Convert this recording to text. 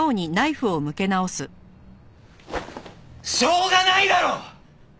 しょうがないだろ！